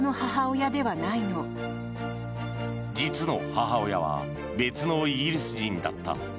実の母親は別のイギリス人だった。